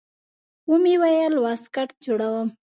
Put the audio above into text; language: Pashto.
ومې ويل واسکټ جوړوم.